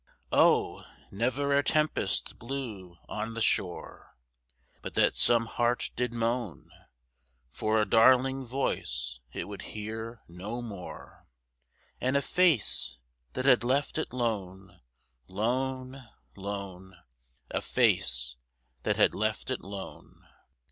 Oh! never a tempest blew on the shore But that some heart did moan For a darling voice it would hear no more And a face that had left it lone, lone, lone A face that had left it lone!